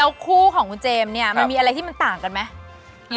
แล้วคู่ของคุณเจมส์เนี่ยมันมีอะไรที่มันต่างกันไหม